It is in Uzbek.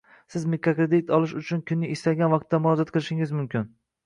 Siz mikrokredit olish uchun kunning istalgan vaqtida murojaat qilishingiz mumkin